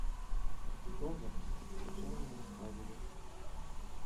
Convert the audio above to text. Хто вони, — почав їм розказувать.